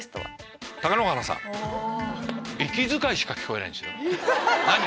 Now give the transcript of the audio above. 息遣いしか聞こえないんですよ。